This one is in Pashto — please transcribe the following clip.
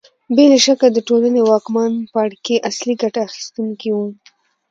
بې له شکه د ټولنې واکمن پاړکي اصلي ګټه اخیستونکي وو